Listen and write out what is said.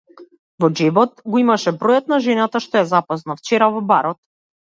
Во џебот го имаше бројот на жената што ја запозна вчера, во барот.